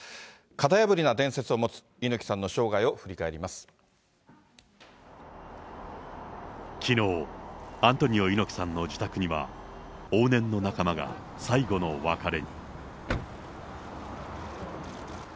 型破りな伝説を持つ猪木さんの生きのう、アントニオ猪木さんの自宅には、往年の仲間が最後の別れに。